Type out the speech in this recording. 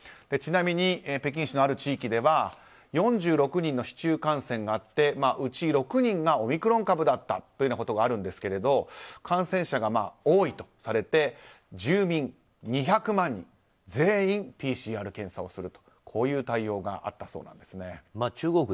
ちなみに、北京市のある地域では４６人の市中感染があってうち６人がオミクロン株だったというようなことがあるんですけど感染者が多いとされて住民２００万人が全員、ＰＣＲ検査をするという対応があったそうなんです。